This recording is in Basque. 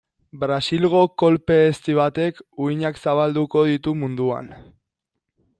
Brasilgo kolpe ezti batek uhinak zabalduko ditu munduan.